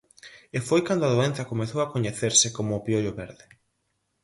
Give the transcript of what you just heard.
E foi cando a doenza comezou a coñecerse como o piollo verde.